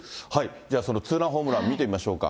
じゃあ、そのツーランホームラン、見てみましょうか。